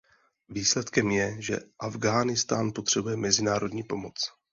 Výsledkem je, že Afghánistán potřebuje mezinárodní pomoc.